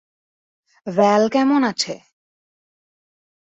ভ্যাল কেমন আছে?